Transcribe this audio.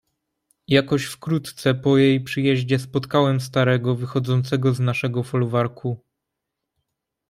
"Jakoś wkrótce po jej przyjeździe, spotkałem starego, wychodzącego z naszego folwarku."